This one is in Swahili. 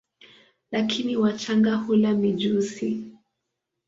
Lakini wachanga hula mijusi.